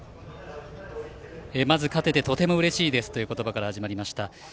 まず勝ててとてもうれしいですという言葉から始まりました。